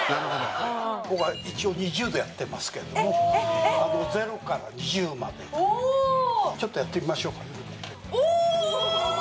僕は一応２０でやってますけどもでも０から２０までおちょっとやってみましょうかねお！